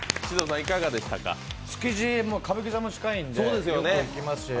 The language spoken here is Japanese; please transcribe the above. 築地、歌舞伎座も近いんでよく行きます。